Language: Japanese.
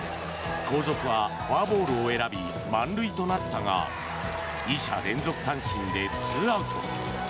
後続はフォアボールを選び満塁となったが２者連続三振で２アウト。